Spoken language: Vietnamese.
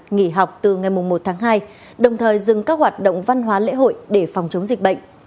nghỉ học từ ngày một tháng hai đồng thời dừng các hoạt động văn hóa lễ hội để phòng chống dịch bệnh